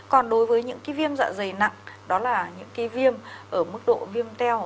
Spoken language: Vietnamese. còn đối với những viêm dạ dày nặng đó là những cái viêm ở mức độ viêm teo